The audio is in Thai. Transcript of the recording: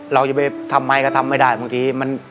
เราจะไปทำไมก็ทำไม่ได้บางทีมัน